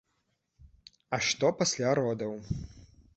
А што пасля родаў?